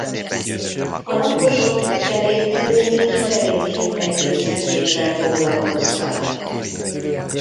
A lakosok cserépedény- és cserépzsindely-készítéssel foglalkoztak.